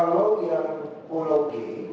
kalau yang pulau g